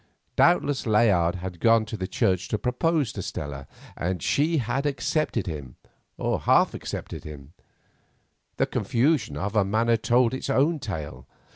Doubtless Layard had gone to the church to propose to Stella, and she had accepted him, or half accepted him; the confusion of her manner told its own tale.